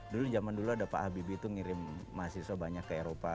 dulu zaman dulu ada pak habibie itu ngirim mahasiswa banyak ke eropa